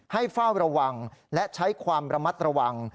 เฝ้าระวังและใช้ความระมัดระวัง